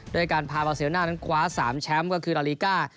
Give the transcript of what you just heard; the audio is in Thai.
ด้วยการพามาเซลน่านั้นคว้า๓แชมป์ก็คือลาลีก้า